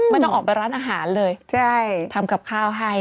ต้องออกไปร้านอาหารเลยใช่ทำกับข้าวให้